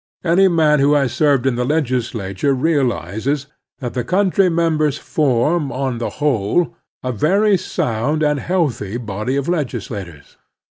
Any man who has served in the legislature realizes that the country members form, on the whole, a very sound and healthy body of legislators.